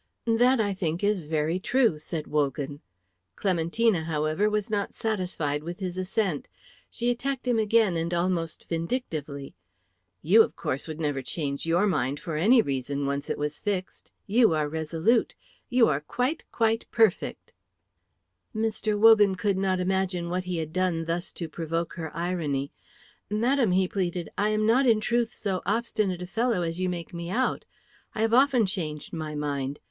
"That I think is very true," said Wogan. Clementina, however, was not satisfied with his assent. She attacked him again and almost vindictively. "You of course would never change your mind for any reason, once it was fixed. You are resolute. You are quite, quite perfect." Mr. Wogan could not imagine what he had done thus to provoke her irony. "Madam," he pleaded, "I am not in truth so obstinate a fellow as you make me out. I have often changed my mind.